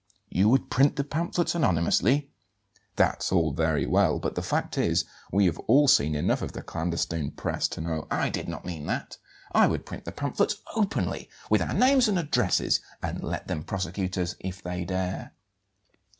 "You would print the pamphlets anonymously? That's all very well, but the fact is, we have all seen enough of the clandestine press to know " "I did not mean that. I would print the pamphlets openly, with our names and addresses, and let them prosecute us if they dare."